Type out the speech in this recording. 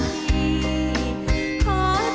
เสียงรัก